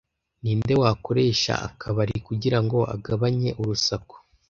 Ninde wakoresha akabari kugirango agabanye urusaku